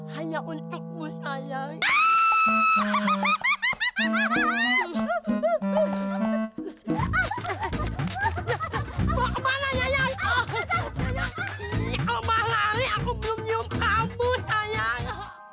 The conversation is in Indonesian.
hanya untukmu sayang